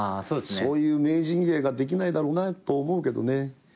そういう名人芸ができないだろうなと思うけどね。